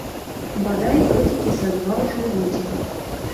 Бадай, годзікі са два ўжо будзе.